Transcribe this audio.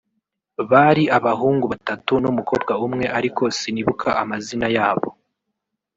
bari abahungu batatu n’umukobwa umwe ariko sinibuka amazina yabo